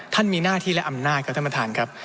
มีหน้าที่และอำนาจครับท่านประธานครับ